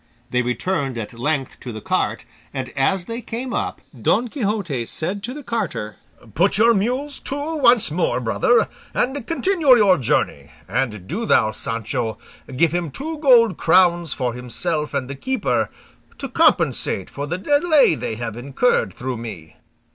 They returned at length to the cart, and as they came up, Don Quixote said to the carter, "Put your mules to once more, brother, and continue your journey; and do thou, Sancho, give him two gold crowns for himself and the keeper, to compensate for the delay they have incurred through me."